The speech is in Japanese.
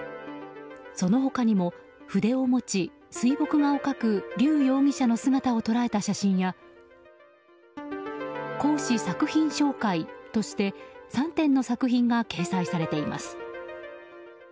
その他にも筆を持ち、水墨画を描くリュウ容疑者の姿を捉えた写真や講師作品紹介として３点の作品が掲載されています。